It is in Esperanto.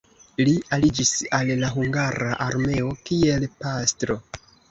Li aliĝis al la hungara armeo kiel pastro.